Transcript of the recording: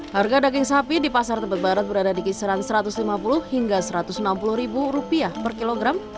harga daging sapi di pasar tebet barat berada di kisaran rp satu ratus lima puluh hingga rp satu ratus enam puluh per kilogram